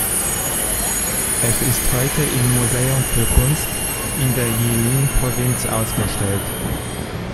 Es ist heute im Museum für Kunst in der Jilin-Provinz ausgestellt.